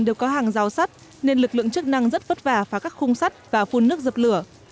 đều có hàng rào sắt nên lực lượng chức năng rất vất vả phá các khung sắt và phun nước dập lửa